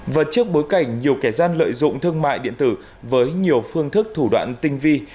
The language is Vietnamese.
và trước bối cảnh nhiều kẻ gian lợi dụng thương mại điện tử với nhiều phương thức thủ đoạn tinh vi